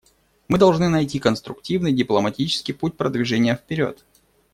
Мы должны найти конструктивный, дипломатический путь продвижения вперед.